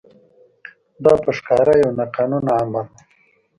دا په ښکاره یو ناقانونه عمل و.